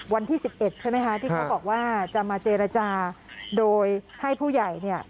วันที่๑๑ใช่ไหมคะที่เขาบอกว่าจะมาเจรจาโดยให้ผู้ใหญ่เนี่ย